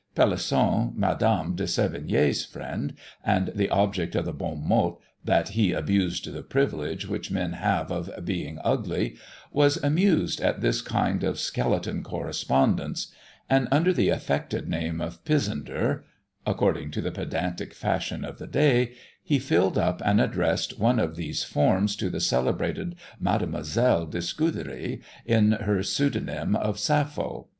Pelisson, Mde. de Sevigné's friend, and the object of the bon mot, that "he abused the privilege which men have of being ugly," was amused at this kind of skeleton correspondence; and under the affected name of Pisandre, (according to the pedantic fashion of the day,) he filled up and addressed one of these forms to the celebrated Mademoiselle de Scuderi, in her pseudonyme of Sappho.